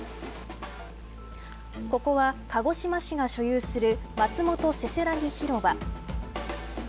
ここは、鹿児島市が所有する松元せせらぎ広場。